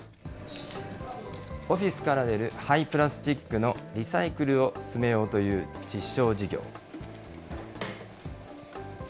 オフィスから出る廃プラスチックのリサイクルを進めようという実証事業。